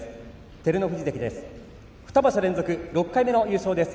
照ノ富士関です。